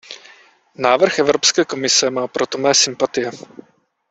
Návrh Evropské komise má proto mé sympatie.